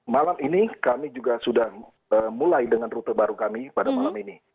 malam ini kami juga sudah mulai dengan rute baru kami pada malam ini